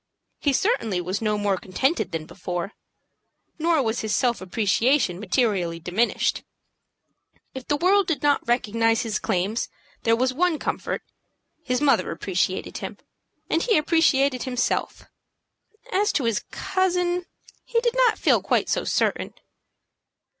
He certainly was no more contented than before, nor was his self appreciation materially diminished. If the world did not recognize his claims, there was one comfort, his mother appreciated him, and he appreciated himself. As to his cousin, he did not feel quite so certain.